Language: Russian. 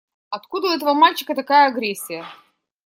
Откуда у этого мальчика такая агрессия?